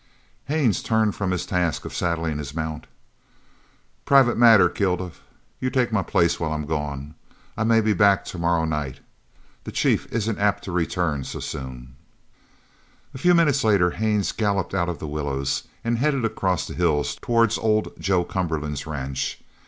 Haines turned from his task of saddling his mount. "Private matter. Kilduff, you take my place while I'm gone. I may be back tomorrow night. The chief isn't apt to return so soon." A few moments later Haines galloped out of the willows and headed across the hills towards old Joe Cumberland's ranch.